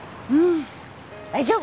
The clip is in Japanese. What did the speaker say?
大丈夫。